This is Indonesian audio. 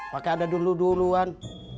pakai ada duluan duluan